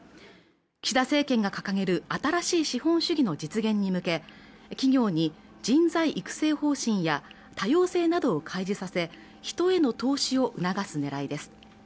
岸田政権が掲げる新しい資本主義の実現に向け企業に人材育成方針や多様性などを開示させ人への投資を促すねらいです